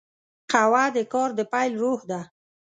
قهوه د کار د پیل روح ده